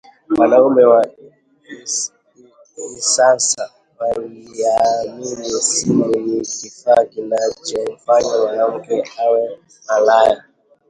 Wanaume wa Isansa waliamini simu ni kifaa kinachomfanya mwanamke awe malaya